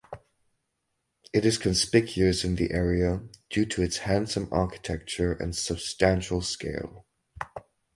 It is conspicuous in the area due to its handsome architecture and substantial scale.